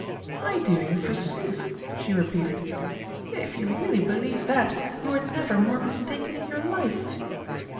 "My doing, forsooth!" she repeated. "If you really believe that, you were never more mistaken in your life!"